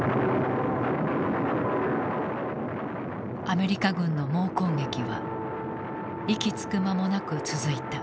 アメリカ軍の猛攻撃は息つく間もなく続いた。